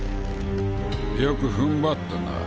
よく踏ん張ったな。